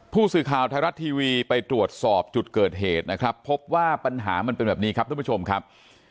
ผู้สื่อข่าวไทยรัฐทีวีไปตรวจสอบจุดเกิดเหตุนะครับพบว่าปัญหามันเป็นแบบนี้ครับทุกผู้ชมครับ